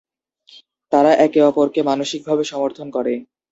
তারা একে অপরকে মানসিকভাবে সমর্থন করে।